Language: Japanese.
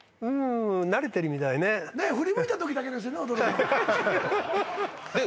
慣れてるみたいね振り向いたときだけですよね